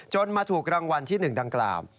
มาถูกรางวัลที่๑ดังกล่าว